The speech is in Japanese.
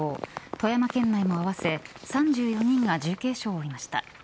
富山県内も合わせ３４人が重軽傷を負いました。